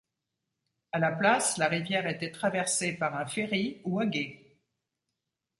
À la place, la rivière était traversée par un ferry ou à gué.